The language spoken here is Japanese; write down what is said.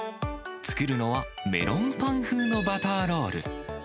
作るのはメロンパン風のバターロール。